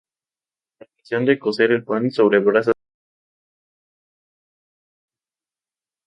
La tradición de cocer el pan sobre brasas perdura aún.